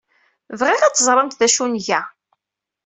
Bɣiɣ ad teẓremt d acu ay nga.